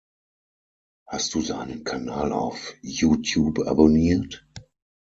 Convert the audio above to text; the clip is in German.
Hast du seinen Kanal auf YouTube abonniert?